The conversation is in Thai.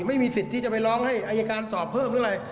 ไม่มีสิทธิ์ที่จะไปร้องให้อายการสอบเพิ่มหรืออะไร